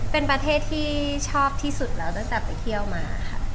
เป็นประเทศที่ชอบที่สุดแล้วตั้งแต่ไปเที่ยวมาค่ะ